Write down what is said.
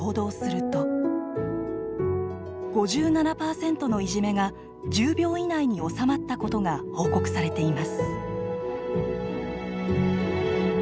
５７％のいじめが１０秒以内に収まったことが報告されています。